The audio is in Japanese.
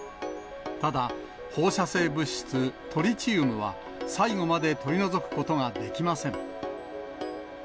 ただ、放射性物質トリチウムは、最後まで取り除くことができません。